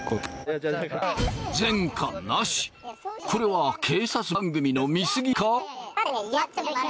これは警察番組の見過ぎか？